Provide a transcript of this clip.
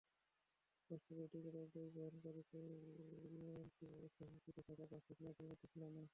অস্ট্রেলীয় ক্রিকেটারদের বহনকারী বিমানটি অবশ্য হুমকিতে থাকা পাঁচটি ফ্লাইটের মধ্যে ছিল না।